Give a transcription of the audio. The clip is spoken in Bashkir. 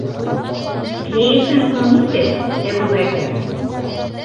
Кәйефең һуң нисек, Әбүбәкер?